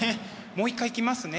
もう一回いきますね。